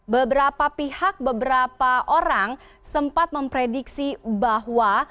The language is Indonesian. beberapa pihak beberapa orang sempat memprediksi bahwa